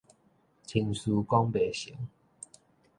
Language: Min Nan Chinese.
親事講袂成